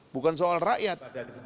bukan soal rakyat